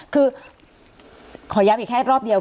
คือขอย้ำอีกแค่รอบเดียว